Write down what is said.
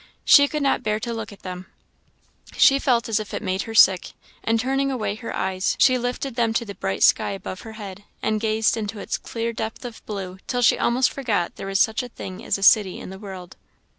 She could not bear to look at them; she felt as if it made her sick; and turning away her eyes, she lifted them to the bright sky above her head, and gazed into its clear depth of blue till she almost forgot that there was such a thing as a city in the world.